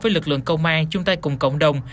với lực lượng công an chung tay cùng cộng đồng